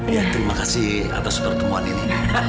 ya terima kasih atas pertemuan ini